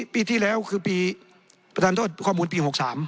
ปีที่แล้วคือปีประธานโทษข้อมูลปี๖๓